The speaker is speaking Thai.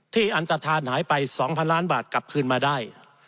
อันตฐานหายไป๒๐๐ล้านบาทกลับคืนมาได้